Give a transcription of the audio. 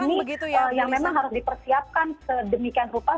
nah saya pikir hal ini yang memang harus dipersiapkan sedemikian rupa